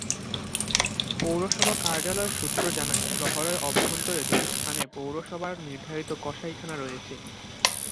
পৌরসভা কার্যালয় সূত্র জানায়, শহরের অভ্যন্তরে দুটি স্থানে পৌরসভার নির্ধারিত কসাইখানা রয়েছে।